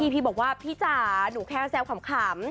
พี่บอกว่าพี่จ๋าหนูแค่แซวขำ